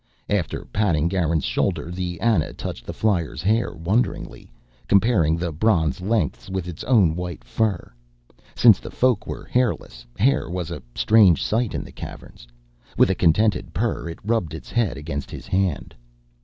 After patting Garin's shoulder the Ana touched the flyer's hair wonderingly, comparing the bronze lengths with its own white fur. Since the Folk were hairless, hair was a strange sight in the Caverns. With a contented purr, it rubbed its head against his hand.